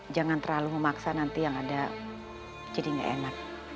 jangan terlalu memaksa nanti yang ada jadi nggak enak